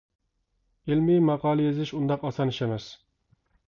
ئىلمىي ماقالە يېزىش ئۇنداق ئاسان ئىش ئەمەس.